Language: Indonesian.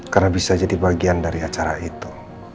karena bisa jadi bagian dari acara itu